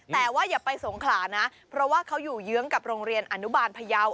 แต่ว่าอย่าไปสงขลานะเพราะว่าเขาอยู่เยื้องกับโรงเรียนอนุบาลพยาว